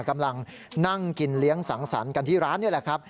กำลังนั่งกินเลี้ยงสังสรรค์กันที่ร้านนี่แหละครับ